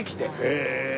へえ。